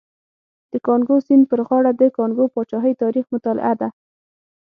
د کانګو سیند پر غاړه د کانګو پاچاهۍ تاریخ مطالعه ده.